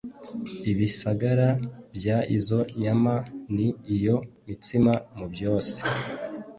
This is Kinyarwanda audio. Ibisigara by izo nyama n iyo mitsima mubyose